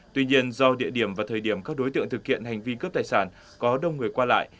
tuy nhiên do địa điểm và thời điểm các đối tượng thực hiện hành vi cướp tài sản có đông người qua lại